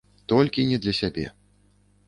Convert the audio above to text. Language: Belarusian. Толькі не для сябе.